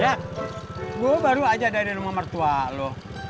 ya gue baru aja dari rumah mertua lo